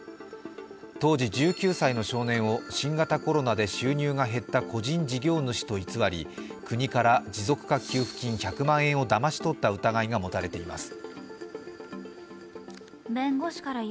当時１９歳の少年を新型コロナで収入が減った個人事業主と偽り国から持続化給付金１００万円をだまし取った疑いが持たれています。